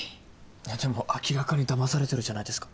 えっでも明らかにだまされてるじゃないですか。